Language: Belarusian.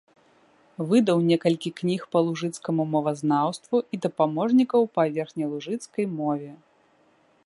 Выдаў некалькі кніг па лужыцкаму мовазнаўству і дапаможнікаў па верхнялужыцкай мове.